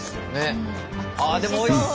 でもおいしそう！